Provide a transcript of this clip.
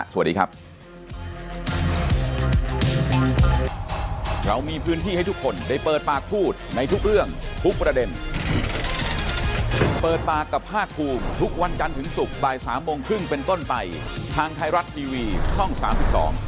พบกันใหม่พรุ่งนี้ครับเปิดปากกับภาคภูมิวันนี้หมดเวลาฮะสวัสดีครับ